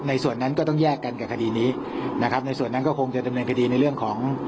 นั้นก็ต้องแยกกันกับคดีนี้นะครับในส่วนนั้นก็คงจะดำเนินคดีในเรื่องของ